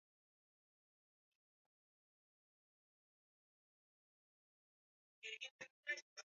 lakini Daktari Chittick na wenzake walifukua na kugundua mabaki ya majengo ya kale